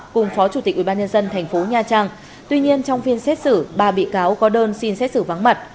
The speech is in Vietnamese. cùng phó chủ tịch ubnd tp nha trang tuy nhiên trong phiên xét xử ba bị cáo có đơn xin xét xử vắng mặt